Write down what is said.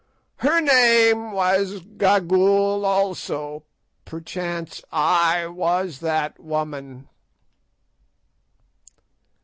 "Her name was Gagool also. Perchance I was that woman."